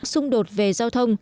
xung đột về giao thông